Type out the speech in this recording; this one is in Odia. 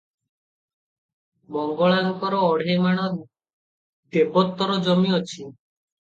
ମଙ୍ଗଳାଙ୍କର ଅଢ଼େଇମାଣ ଦେବୋତ୍ତର ଜମି ଅଛି ।